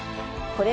これ。